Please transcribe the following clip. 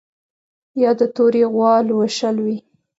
یا د تورې غوا لوشل وي